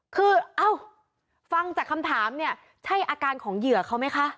คือเอ้าฟังจากคำถามเนี่ยใช่อาการของเหยื่อเขาไหมคะ